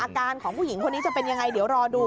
ของผู้หญิงคนนี้จะเป็นยังไงเดี๋ยวรอดู